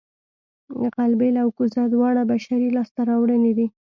غلبېل او کوزه دواړه بشري لاسته راوړنې دي